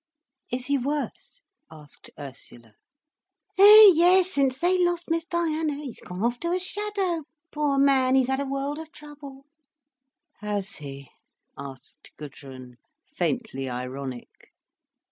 "Is he worse?" asked Ursula. "Eh, yes—since they lost Miss Diana. He's gone off to a shadow. Poor man, he's had a world of trouble." "Has he?" asked Gudrun, faintly ironic.